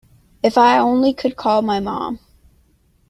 If I only could call my mom.